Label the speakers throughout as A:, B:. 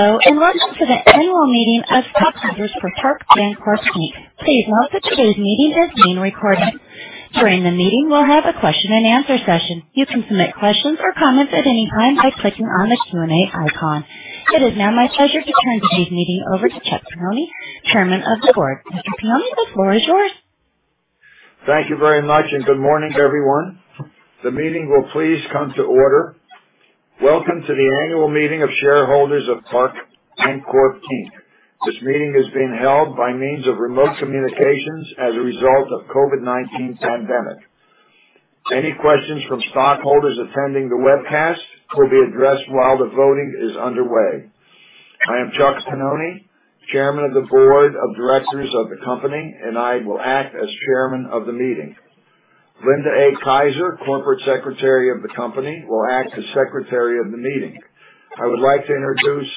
A: Hello, and welcome to the annual meeting of stockholders for Parke Bancorp, Inc. Please note that today's meeting is being recorded. During the meeting, we'll have a question and answer session. You can submit questions or comments at any time by clicking on the Q&A icon. It is now my pleasure to turn today's meeting over to Chuck Pennoni, Chairman of the Board. Mr. Pennoni, the floor is yours.
B: Thank you very much, and good morning, everyone. The meeting will please come to order. Welcome to the annual meeting of shareholders of Parke Bancorp, Inc. This meeting is being held by means of remote communications as a result of COVID-19 pandemic. Any questions from stockholders attending the webcast will be addressed while the voting is underway. I am Chuck Pennoni, Chairman of the Board of Directors of the company, and I will act as Chairman of the meeting. Linda A. Kaiser, Corporate Secretary of the company, will act as Secretary of the meeting. I would like to introduce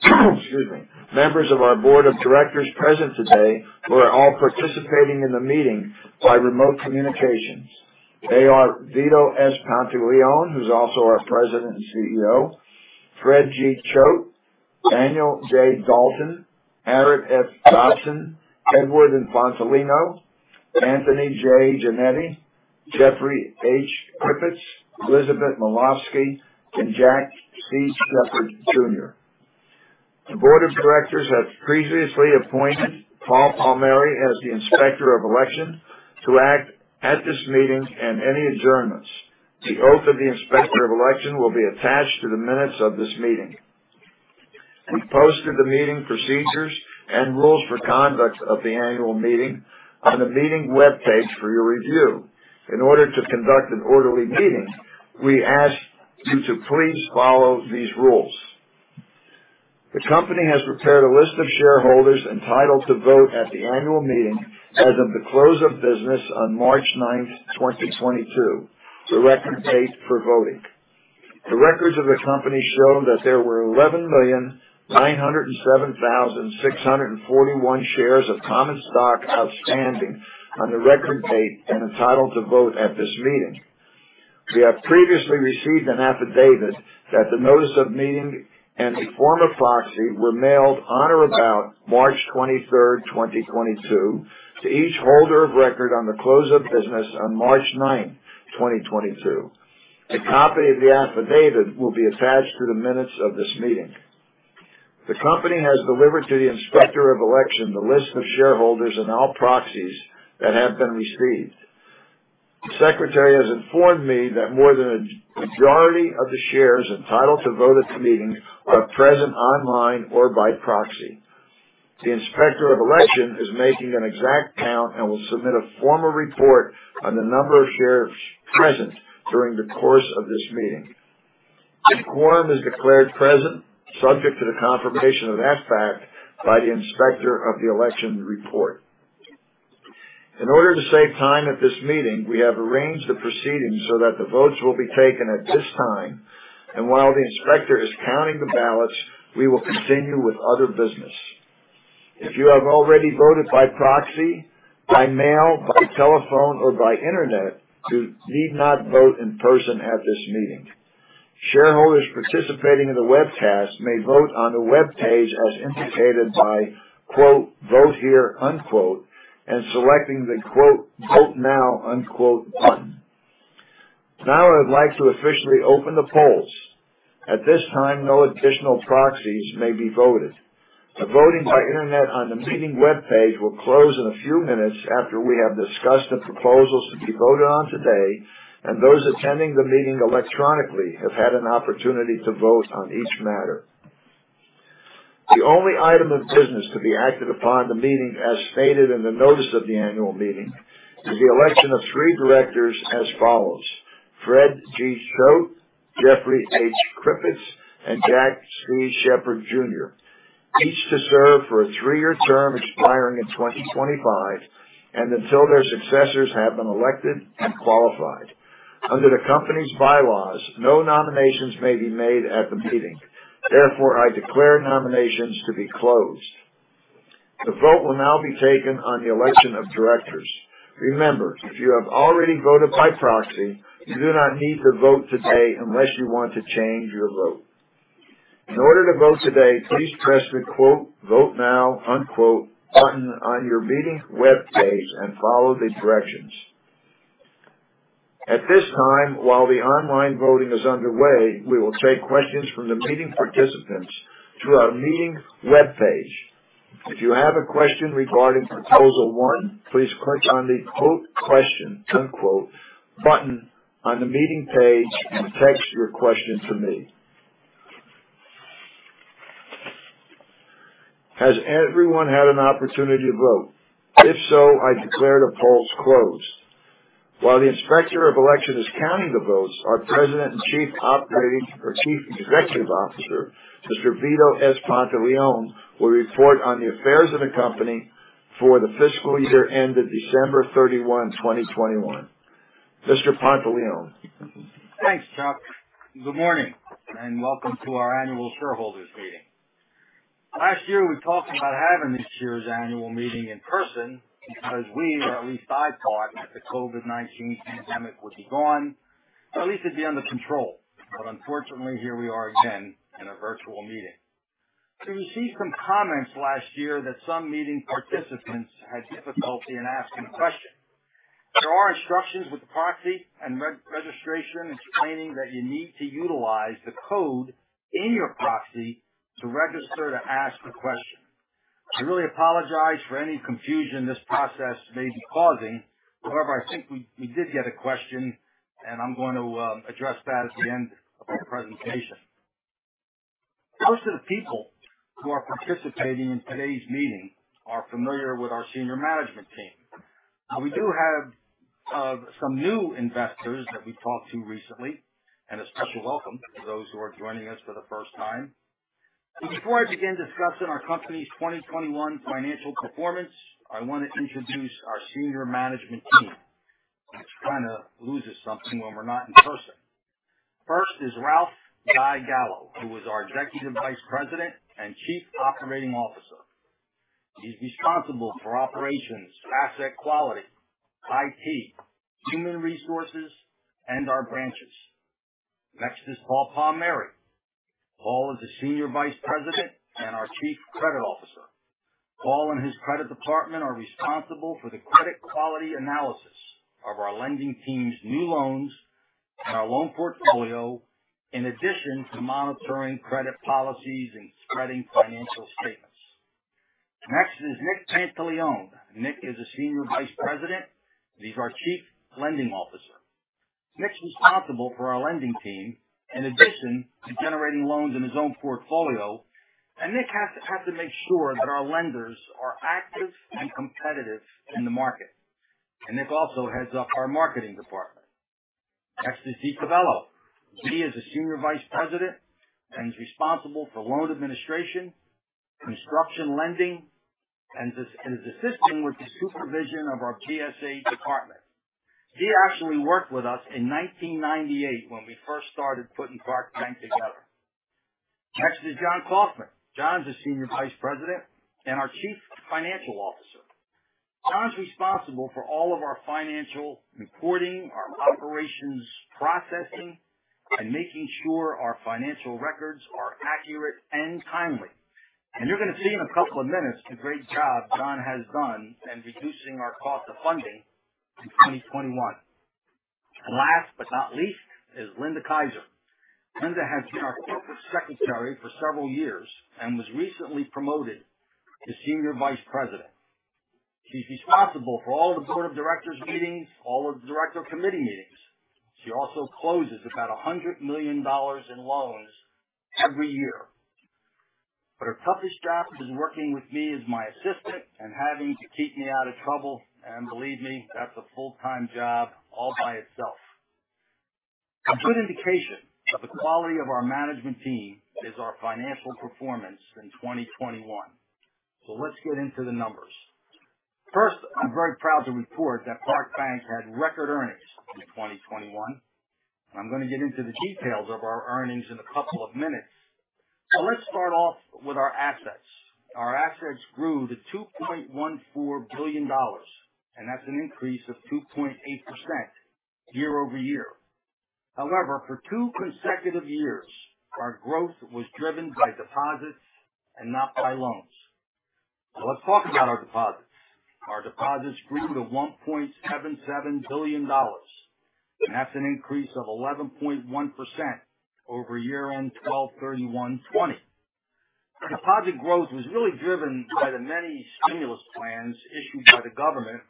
B: excuse me, members of our board of directors present today who are all participating in the meeting by remote communications. They are Vito S. Pantilione, who's also our President and CEO, Fred G. Choate, Daniel J. Dalton, Arret F. Dobson, Edward Infantolino, Anthony J. Jannetti, Jeffrey H. Kripitz. Elizabeth Milavsky, and Jack C. Sheppard Jr. The board of directors have previously appointed Paul E. Palmieri as the Inspector of Election to act at this meeting and any adjournments. The oath of the Inspector of Election will be attached to the minutes of this meeting. We posted the meeting procedures and rules for conduct of the annual meeting on the meeting web page for your review. In order to conduct an orderly meeting, we ask you to please follow these rules. The company has prepared a list of shareholders entitled to vote at the annual meeting as of the close of business on March 9th, 2022, the record date for voting. The records of the company show that there were 11,907,641 shares of common stock outstanding on the record date and entitled to vote at this meeting. We have previously received an affidavit that the notice of meeting and the form of proxy were mailed on or about March 23rd, 2022 to each holder of record on the close of business on March 9th, 2022. A copy of the affidavit will be attached to the minutes of this meeting. The company has delivered to the Inspector of Election the list of shareholders and all proxies that have been received. The secretary has informed me that more than a majority of the shares entitled to vote at the meeting are present online or by proxy. The Inspector of Election is making an exact count and will submit a formal report on the number of shares present during the course of this meeting. A quorum is declared present subject to the confirmation of that fact by the Inspector of the Election report. In order to save time at this meeting, we have arranged the proceedings so that the votes will be taken at this time. While the inspector is counting the ballots, we will continue with other business. If you have already voted by proxy, by mail, by telephone, or by Internet, you need not vote in person at this meeting. Shareholders participating in the webcast may vote on the webpage as indicated by quote, vote here, unquote, and selecting the quote, vote now, unquote button. Now, I would like to officially open the polls. At this time, no additional proxies may be voted. The voting by Internet on the meeting web page will close in a few minutes after we have discussed the proposals to be voted on today, and those attending the meeting electronically have had an opportunity to vote on each matter. The only item of business to be acted upon at the meeting, as stated in the notice of the annual meeting, is the election of three directors as follows, Fred G. Choate, Jeffrey H. Kripitz, and Jack C. Sheppard Jr. Each to serve for a three-year term expiring in 2025 and until their successors have been elected and qualified. Under the company's bylaws, no nominations may be made at the meeting. Therefore, I declare nominations to be closed. The vote will now be taken on the election of directors. Remember, if you have already voted by proxy, you do not need to vote today unless you want to change your vote. In order to vote today, please press the "vote now" button on your meeting web page and follow the directions. At this time, while the online voting is underway, we will take questions from the meeting participants through our meeting web page. If you have a question regarding proposal one, please click on the "question" button on the meeting page and text your question to me. Has everyone had an opportunity to vote? If so, I declare the polls closed. While the Inspector of Election is counting the votes, our president and chief operating or chief executive officer, Mr. Vito S. Pantilione, will report on the affairs of the company for the fiscal year ended December 31, 2021. Mr. Pantilione.
C: Thanks, Chuck. Good morning and welcome to our annual shareholders meeting. Last year, we talked about having this year's annual meeting in person because we, or at least I, thought that the COVID-19 pandemic would be gone, or at least it'd be under control. Unfortunately, here we are again in a virtual meeting. You see some comments last year that some meeting participants had difficulty in asking a question. There are instructions with the proxy and re-registration explaining that you need to utilize the code in your proxy to register to ask a question. I really apologize for any confusion this process may be causing. However, I think we did get a question, and I'm going to address that at the end of the presentation. Most of the people who are participating in today's meeting are familiar with our senior management team. Now, we do have some new investors that we talked to recently, and a special welcome to those who are joining us for the first time. Before I begin discussing our company's 2021 financial performance, I wanna introduce our senior management team, which kind of loses something when we're not in person. First is Ralph Gallo, who is our Executive Vice President and Chief Operating Officer. He's responsible for operations, asset quality, IT, human resources, and our branches. Next is Paul Palmieri. Paul is a Senior Vice President and our Chief Credit Officer. Paul and his credit department are responsible for the credit quality analysis of our lending team's new loans and our loan portfolio, in addition to monitoring credit policies and spreading financial statements. Next is Nick Pantilione. Nick is a Senior Vice President, and he's our Chief Lending Officer. Nick's responsible for our lending team in addition to generating loans in his own portfolio, and Nick has to make sure that our lenders are active and competitive in the market. Nick also heads up our marketing department. Next is Dolores Calvello. She is a Senior Vice President, and she's responsible for loan administration, construction lending, and is assisting with the supervision of our BSA department. She actually worked with us in 1998 when we first started putting Parke Bank together. Next is John Kaufman. John's a Senior Vice President and our Chief Financial Officer. John's responsible for all of our financial reporting, our operations processing, and making sure our financial records are accurate and timely. You're gonna see in a couple of minutes the great job John has done in reducing our cost of funding in 2021. Last but not least is Linda Kaiser. Linda has been our corporate secretary for several years and was recently promoted to senior vice president. She's responsible for all the board of directors meetings, all of the director committee meetings. She also closes about $100 million in loans every year. Her toughest job is working with me as my assistant and having to keep me out of trouble. Believe me, that's a full-time job all by itself. A good indication of the quality of our management team is our financial performance in 2021. Let's get into the numbers. First, I'm very proud to report that Parke Bank had record earnings in 2021. I'm gonna get into the details of our earnings in a couple of minutes. Let's start off with our assets. Our assets grew to $2.14 billion, and that's an increase of 2.8% year-over-year. However, for two consecutive years, our growth was driven by deposits and not by loans. Let's talk about our deposits. Our deposits grew to $1.77 billion, and that's an increase of 11.1% over year-end 12/31/2020. Our deposit growth was really driven by the many stimulus plans issued by the government,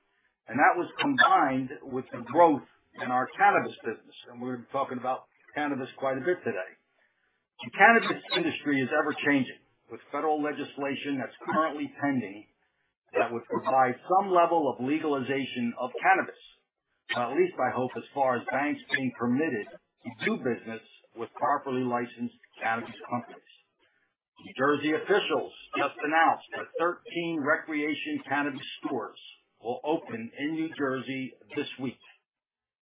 C: and that was combined with the growth in our cannabis business, and we're talking about cannabis quite a bit today. The cannabis industry is ever-changing, with federal legislation that's currently pending that would provide some level of legalization of cannabis. At least I hope as far as banks being permitted to do business with properly licensed cannabis companies. New Jersey officials just announced that 13 recreational cannabis stores will open in New Jersey this week.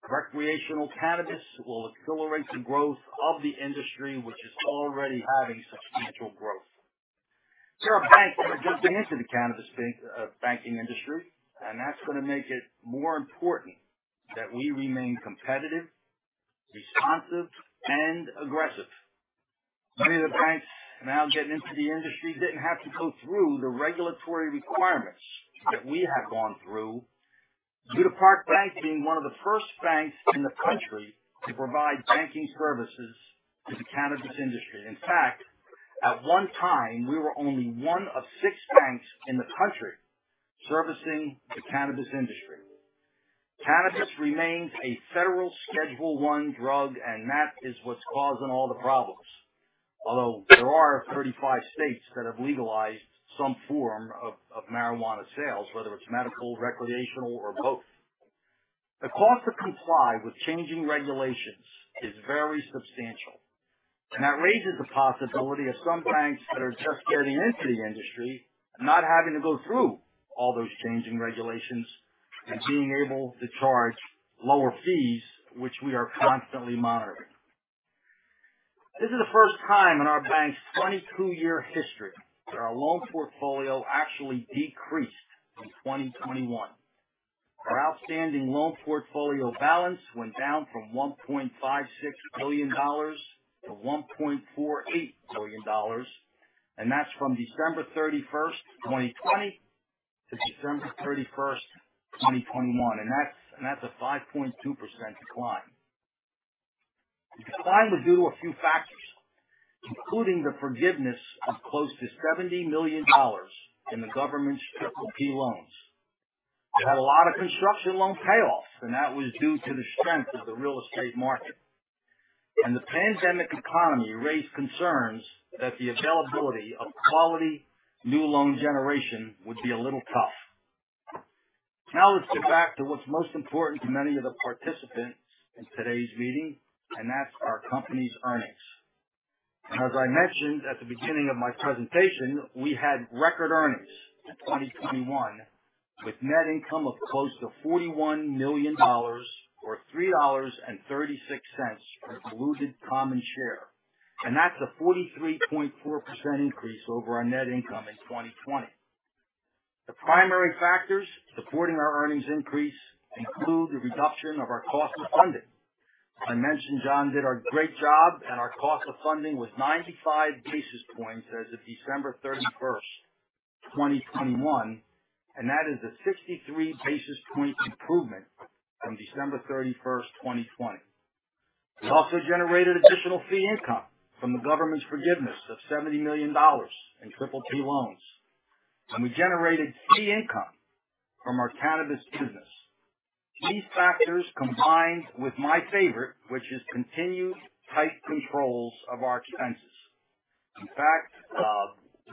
C: Recreational cannabis will accelerate the growth of the industry, which is already having substantial growth. There are banks that are just getting into the cannabis banking industry, and that's gonna make it more important that we remain competitive, responsive, and aggressive. Many of the banks now getting into the industry didn't have to go through the regulatory requirements that we have gone through, due to Parke Bank being one of the first banks in the country to provide banking services to the cannabis industry. In fact, at one time, we were only one of six banks in the country servicing the cannabis industry. Cannabis remains a federal Schedule I drug, and that is what's causing all the problems. Although there are 35 states that have legalized some form of marijuana sales, whether it's medical, recreational, or both. The cost to comply with changing regulations is very substantial, and that raises the possibility of some banks that are just getting into the industry not having to go through all those changing regulations and being able to charge lower fees, which we are constantly monitoring. This is the first time in our bank's 22-year history that our loan portfolio actually decreased in 2021. Our outstanding loan portfolio balance went down from $1.56 billion to $1.48 billion. That's from December 31st, 2020 to December 31st, 2021. That's a 5.2% decline. The decline was due to a few factors, including the forgiveness of close to $70 million in the government's PPP loans. We had a lot of construction loan payoffs, and that was due to the strength of the real estate market. The pandemic economy raised concerns that the availability of quality new loan generation would be a little tough. Now let's get back to what's most important to many of the participants in today's meeting, and that's our company's earnings. As I mentioned at the beginning of my presentation, we had record earnings in 2021, with net income of close to $41 million or $3.36 per diluted common share. That's a 43.4% increase over our net income in 2020. The primary factors supporting our earnings increase include the reduction of our cost of funding. I mentioned John did a great job and our cost of funding was 95 basis points as of December 31st, 2021, and that is a 63 basis point improvement from December 31st, 2020. We also generated additional fee income from the government's forgiveness of $70 million in PPP loans. We generated fee income from our cannabis business. These factors, combined with my favorite, which is continued tight controls of our expenses, in fact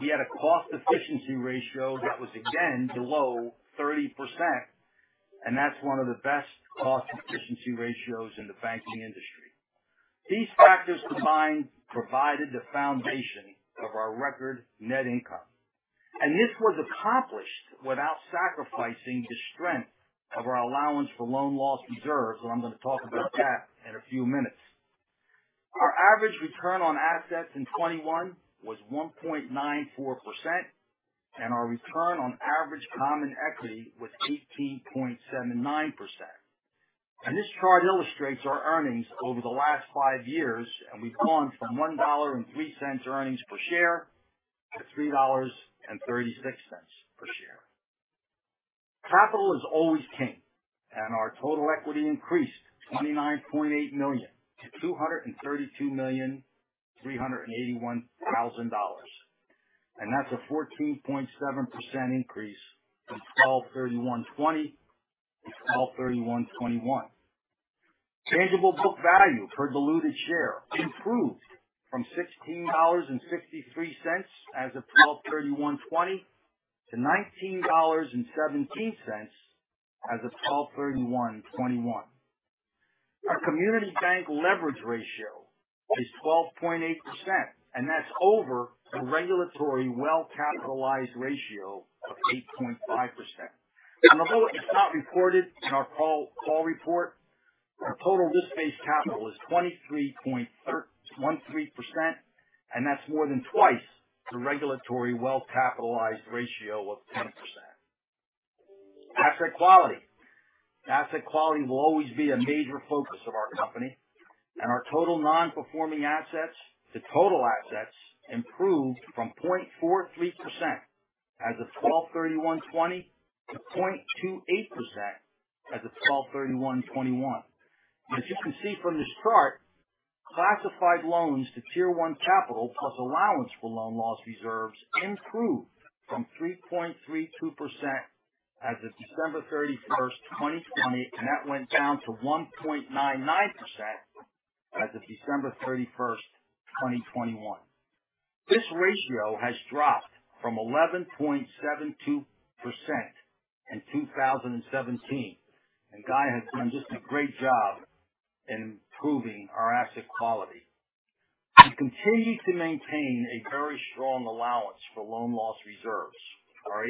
C: we had a cost efficiency ratio that was again below 30%, and that's one of the best cost efficiency ratios in the banking industry. These factors combined provided the foundation of our record net income, and this was accomplished without sacrificing the strength of our allowance for loan loss reserves. I'm going to talk about that in a few minutes. Our average return on assets in 2021 was 1.94%, and our return on average common equity was 18.79%. This chart illustrates our earnings over the last five years. We've gone from $1.03 earnings per share to $3.36 per share. Capital is always king, and our total equity increased $29.8 million to $232.381 million. That's a 14.7% increase from 12/31/2020 to 12/31/2021. Tangible book value per diluted share improved from $16.63 as of 12/31/2020 to $19.17 as of 12/31/2021. Our Community Bank Leverage Ratio is 12.8%, and that's over the regulatory well-capitalized ratio of 8.5%. Although it's not reported in our call report, our total risk-based capital is 23.13%, and that's more than twice the regulatory well-capitalized ratio of 10%. Asset quality. Asset quality will always be a major focus of our company, and our total non-performing assets to total assets improved from 0.43% as of 12/31/2020 to 0.28% as of 12/31/2021. As you can see from this chart, classified loans to Tier 1 capital, plus allowance for loan loss reserves improved from 3.32% as of December 31st, 2020, and that went down to 1.99% as of December 31st, 2021. This ratio has dropped from 11.72% in 2017, and Guy has done just a great job in improving our asset quality. We continue to maintain a very strong allowance for loan loss reserves. Our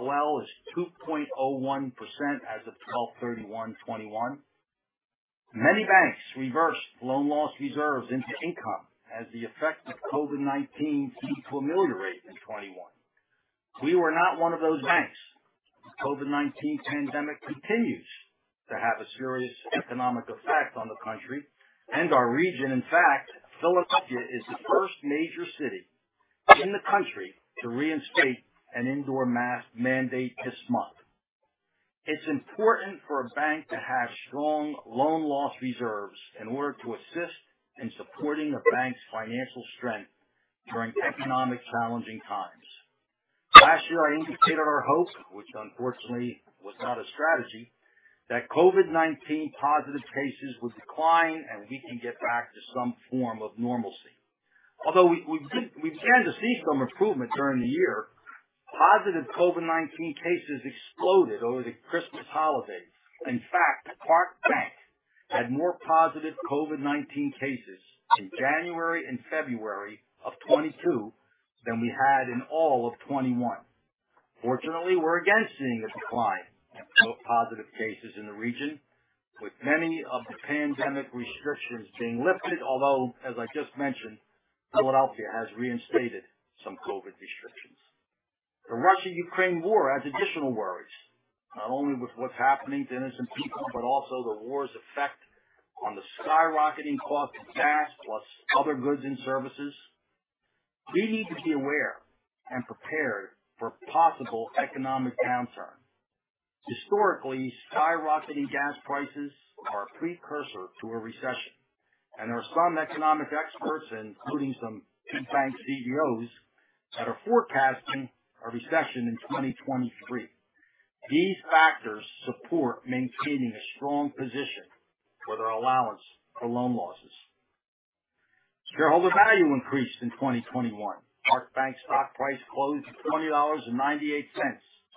C: ALL is 2.01% as of 12/31/2021. Many banks reversed loan loss reserves into income as the effects of COVID-19 seemed to ameliorate in 2021. We were not one of those banks. The COVID-19 pandemic continues to have a serious economic effect on the country and our region. In fact, Philadelphia is the first major city in the country to reinstate an indoor mask mandate this month. It's important for a bank to have strong loan loss reserves in order to assist in supporting the bank's financial strength during economically challenging times. Last year, I indicated our hope, which unfortunately was not a strategy, that COVID-19 positive cases would decline and we can get back to some form of normalcy. Although we began to see some improvement during the year, positive COVID-19 cases exploded over the Christmas holidays. In fact, Parke Bank had more positive COVID-19 cases in January and February of 2022 than we had in all of 2021. Fortunately, we're again seeing a decline in COVID positive cases in the region, with many of the pandemic restrictions being lifted, although, as I just mentioned, Philadelphia has reinstated some COVID restrictions. The Russia-Ukraine war adds additional worries, not only with what's happening to innocent people, but also the war's effect on the skyrocketing cost of gas, plus other goods and services. We need to be aware and prepared for possible economic downturn. Historically, skyrocketing gas prices are a precursor to a recession, and there are some economic experts, including some big bank CEOs, that are forecasting a recession in 2023. These factors support maintaining a strong position for their allowance for loan losses. Shareholder value increased in 2021. Parke Bank stock price closed at $20.98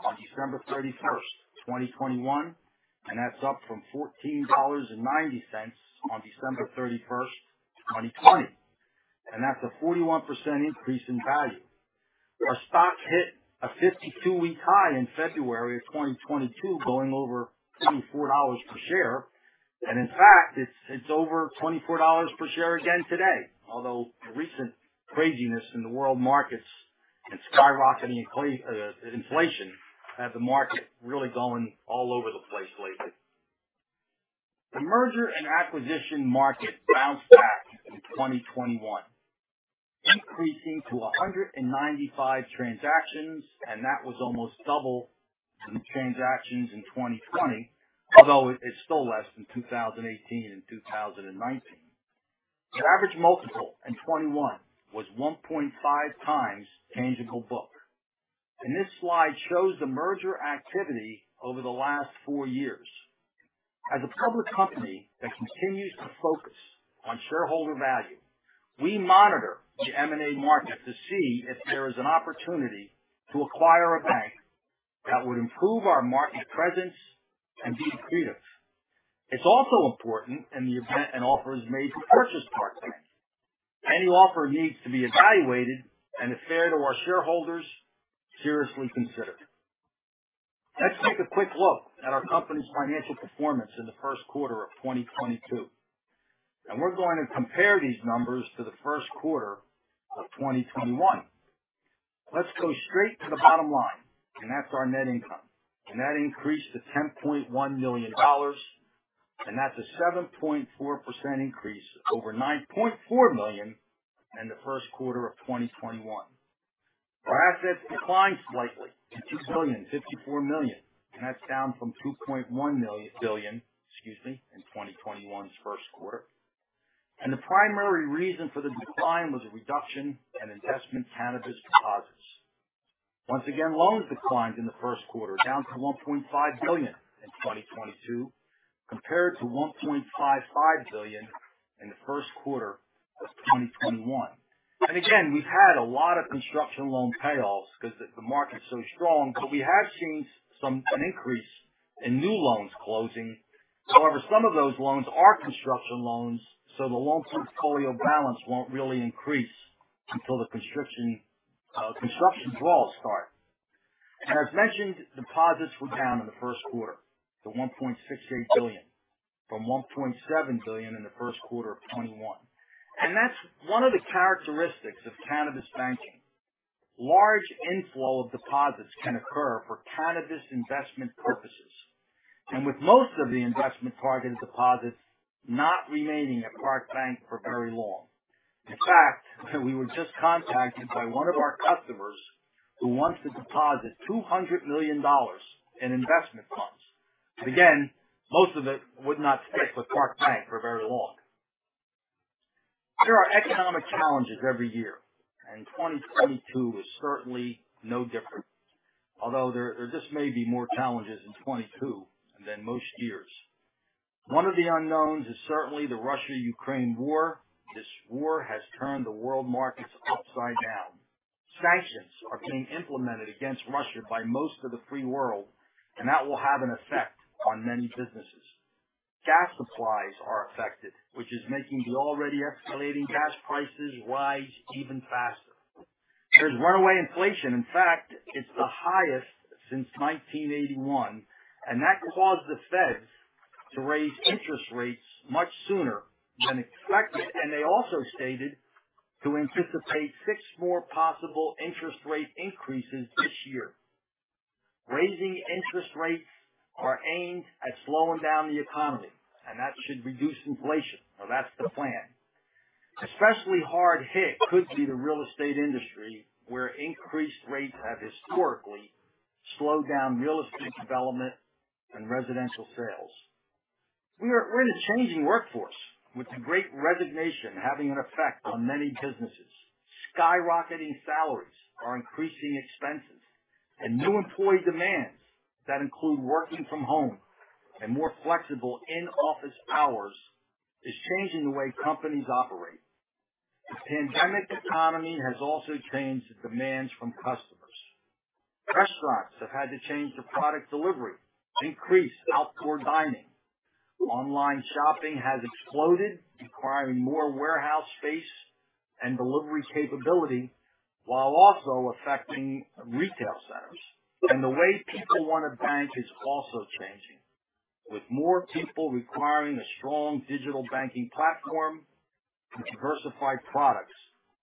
C: on December 31st, 2021, and that's up from $14.90 on December 31st, 2020. That's a 41% increase in value. Our stock hit a 52-week high in February 2022, going over $24 per share. In fact, it's over $24 per share again today. Although the recent craziness in the world markets and skyrocketing inflation have the market really going all over the place lately. The merger and acquisition market bounced back in 2021, increasing to 195 transactions, and that was almost double the transactions in 2020, although it's still less than 2018 and 2019. The average multiple in 2021 was 1.5x tangible book. This slide shows the merger activity over the last four years. As a public company that continues to focus on shareholder value, we monitor the M&A market to see if there is an opportunity to acquire a bank that would improve our market presence and be accretive. It's also important in the event an offer is made to purchase Parke Bank. Any offer needs to be evaluated, and if fair to our shareholders, seriously considered. Let's take a quick look at our company's financial performance in the first quarter of 2022. We're going to compare these numbers to the first quarter of 2021. Let's go straight to the bottom line, and that's our net income. That increased to $10.1 million, and that's a 7.4% increase over $9.4 million in the first quarter of 2021. Our assets declined slightly to $2.054 billion, and that's down from $2.1 billion in 2021's first quarter. The primary reason for the decline was a reduction in investment cannabis deposits. Once again, loans declined in the first quarter, down to $1.5 billion in 2022, compared to $1.55 billion in the first quarter of 2021. Again, we've had a lot of construction loan payoffs 'cause the market's so strong, but we have seen some an increase in new loans closing. However, some of those loans are construction loans, so the long-term portfolio balance won't really increase until the construction draws start. As mentioned, deposits were down in the first quarter to $1.68 billion from $1.7 billion in the first quarter of 2021. That's one of the characteristics of cannabis banking. Large inflow of deposits can occur for cannabis investment purposes, and with most of the investment targeted deposits not remaining at Parke Bank for very long. In fact, we were just contacted by one of our customers who wants to deposit $200 million in investment funds. Again, most of it would not stay with Parke Bank for very long. There are economic challenges every year, and 2022 is certainly no different. Although there just may be more challenges in 2022 than most years. One of the unknowns is certainly the Russia-Ukraine war. This war has turned the world markets upside down. Sanctions are being implemented against Russia by most of the free world, and that will have an effect on many businesses. Gas supplies are affected, which is making the already escalating gas prices rise even faster. There's runaway inflation. In fact, it's the highest since 1981, and that caused the Feds to raise interest rates much sooner than expected, and they also stated to anticipate 6 more possible interest rate increases this year. Raising interest rates are aimed at slowing down the economy, and that should reduce inflation. Now, that's the plan. Especially hard hit could be the real estate industry, where increased rates have historically slowed down real estate development and residential sales. We're in a changing workforce, with the Great Resignation having an effect on many businesses. Skyrocketing salaries are increasing expenses, and new employee demands that include working from home and more flexible in-office hours is changing the way companies operate. The pandemic economy has also changed the demands from customers. Restaurants have had to change to product delivery, increase outdoor dining. Online shopping has exploded, requiring more warehouse space and delivery capability, while also affecting retail centers. The way people want to bank is also changing, with more people requiring a strong digital banking platform and diversified products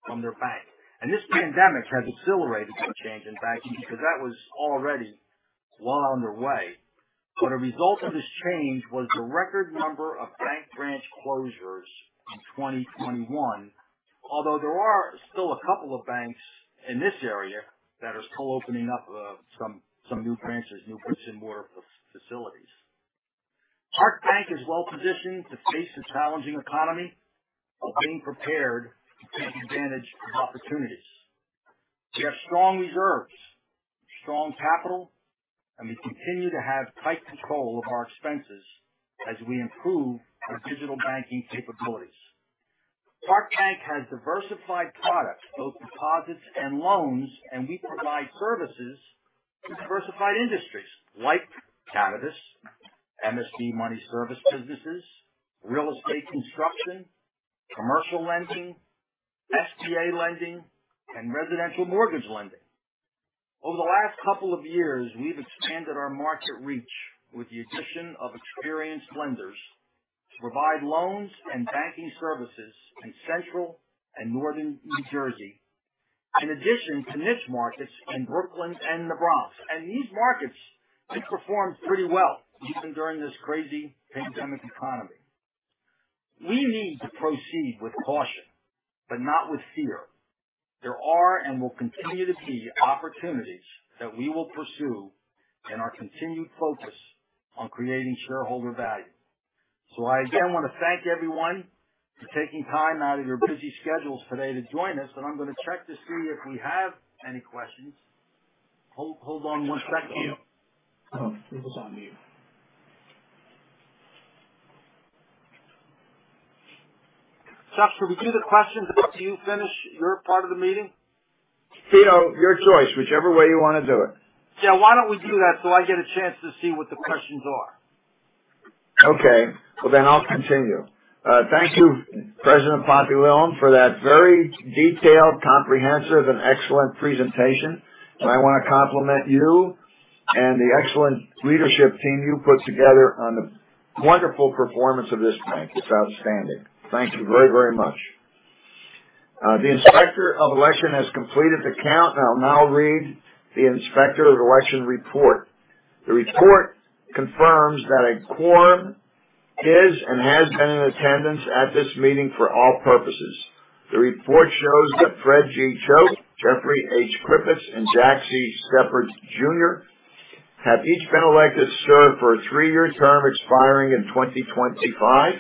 C: from their bank. This pandemic has accelerated the change in banking because that was already well underway. A result of this change was the record number of bank branch closures in 2021. Although there are still a couple of banks in this area that are still opening up, some new branches and more facilities. Parke Bank is well positioned to face the challenging economy while being prepared to take advantage of opportunities. We have strong reserves, strong capital, and we continue to have tight control of our expenses as we improve our digital banking capabilities. Parke Bank has diversified products, both deposits and loans, and we provide services to diversified industries like cannabis, MSB money service businesses, real estate construction, commercial lending, SBA lending, and residential mortgage lending. Over the last couple of years, we've expanded our market reach with the addition of experienced lenders to provide loans and banking services in Central and Northern New Jersey. In addition to niche markets in Brooklyn and the Bronx, these markets have performed pretty well even during this crazy pandemic economy. We need to proceed with caution, but not with fear. There are, and will continue to be opportunities that we will pursue in our continued focus on creating shareholder value. I again want to thank everyone for taking time out of your busy schedules today to join us, and I'm going to check to see if we have any questions. Hold on one second.
B: Vito, it was on mute.
C: Chuck, should we do the questions after you finish your part of the meeting?
B: Vito, your choice. Whichever way you wanna do it.
C: Yeah, why don't we do that so I get a chance to see what the questions are.
B: Okay. Well, I'll continue. Thank you, President Pantilione, for that very detailed, comprehensive, and excellent presentation. I wanna compliment you and the excellent leadership team you put together on the wonderful performance of this bank. It's outstanding. Thank you very, very much. The inspector of election has completed the count, and I'll now read the inspector of election report. The report confirms that a quorum is and has been in attendance at this meeting for all purposes. The report shows that Fred G. Choate, Jeffrey H. Kripitz, and Jack C. Sheppard Jr. have each been elected to serve for a three-year term expiring in 2025,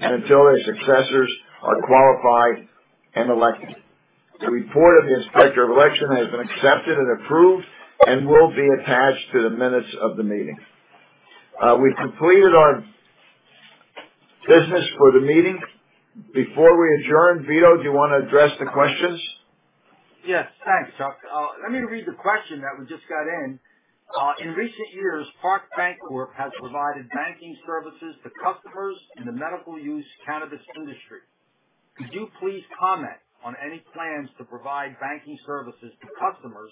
B: and until their successors are qualified and elected. The report of the Inspector of Election has been accepted and approved and will be attached to the minutes of the meeting. We've completed our business for the meeting. Before we adjourn, Vito, do you wanna address the questions?
C: Yes. Thanks, Chuck. Let me read the question that we just got in. In recent years, Parke Bancorp has provided banking services to customers in the medical use cannabis industry. Could you please comment on any plans to provide banking services to customers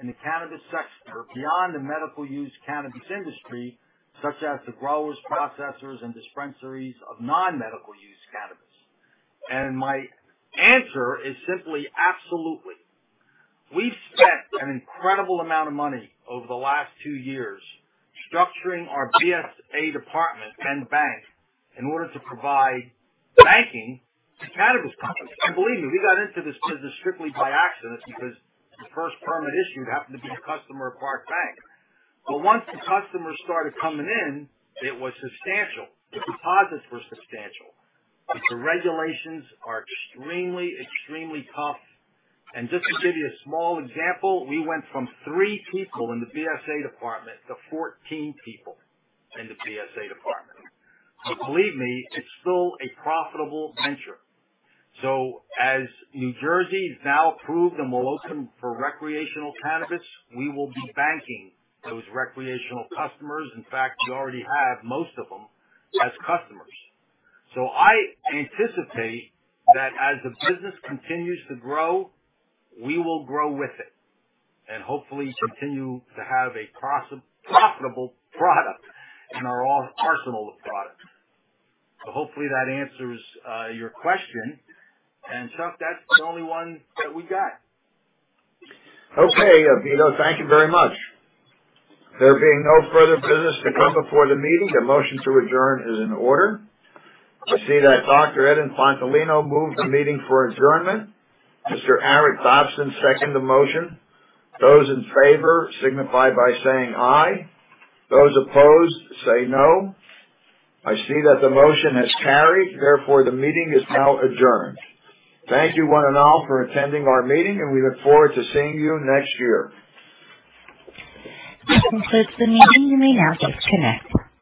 C: in the cannabis sector beyond the medical use cannabis industry, such as the growers, processors, and dispensaries of non-medical use cannabis? My answer is simply absolutely. We've spent an incredible amount of money over the last two years structuring our BSA department and the bank in order to provide banking to cannabis companies. Believe me, we got into this business strictly by accident because the first permit issued happened to be a customer of Parke Bank. Once the customers started coming in, it was substantial. The deposits were substantial. The regulations are extremely tough. Just to give you a small example, we went from three people in the BSA department to 14 people in the BSA department. Believe me, it's still a profitable venture. As New Jersey has now approved and will open for recreational cannabis, we will be banking those recreational customers. In fact, we already have most of them as customers. I anticipate that as the business continues to grow, we will grow with it and hopefully continue to have a profitable product in our arsenal of products. Hopefully that answers your question. Chuck, that's the only one that we got.
B: Okay, Vito, thank you very much. There being no further business to come before the meeting, a motion to adjourn is in order. I see that Dr. Edward Infantolino moved the meeting for adjournment. Mr. Arret Dobson, second the motion. Those in favor signify by saying aye. Those opposed say no. I see that the motion has carried, therefore the meeting is now adjourned. Thank you one and all for attending our meeting, and we look forward to seeing you next year.
A: This concludes the meeting. You may now disconnect.